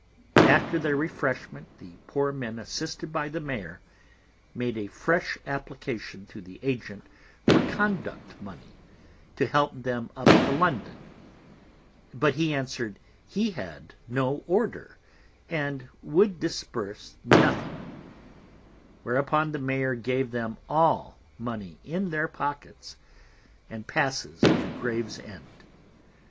After their Refreshment the poor Men assisted by the Mayor, made a fresh Application to the Agent for Conduct Money to help them up to London, but he answer'd he had no Order, and would Disburse nothing, whereupon the Mayor gave them all Money in their Pockets, and Passes to Graves End.